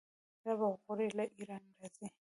رب او غوړي له ایران راځي.